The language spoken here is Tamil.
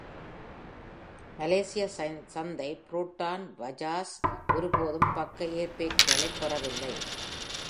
மலேசிய சந்தை புரோட்டான் வஜாஸ் ஒருபோதும் பக்க ஏர்பேக்குகளைப் பெறவில்லை.